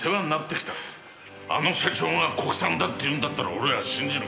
あの社長が国産だって言うんだったら俺は信じる。